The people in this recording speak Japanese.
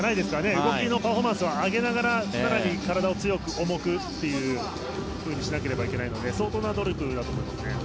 動きのパフォーマンスは上げながら更に体を強く、重くというふうにしなければいけないので相当な努力だと思いますね。